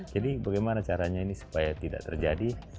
jadi bagaimana caranya ini supaya tidak terjadi